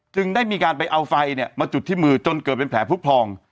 ได้มีการไปเอาไฟเนี่ยมาจุดที่มือจนเกิดเป็นแผลผู้พอง